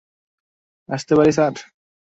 আসতে পারি, স্যার?